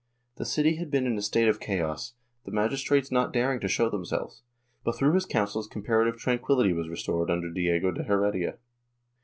The city had been in a state of chaos, the magistrates not daring to show themselves, but through his counsels comparative tranquility was restored under Diego de Heredia.